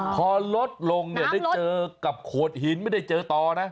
พอลดลงเนี่ยได้เจอกับโขดหินไม่ได้เจอต่อนะ